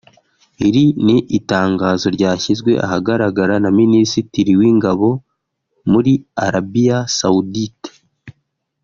Iri ni itangazo ryashyizwe ahagaragara na Minisitiri w’ingabo muri Arabia Saoudite